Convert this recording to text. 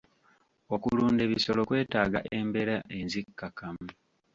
Okulunda ebisolo kwetaaga embeera enzikakkamu.